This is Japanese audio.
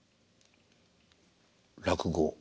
落語。